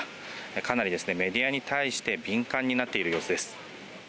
かなりメディアに対して、敏感になっている様子です。